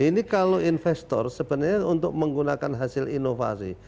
ini kalau investor sebenarnya untuk menggunakan hasil inovasi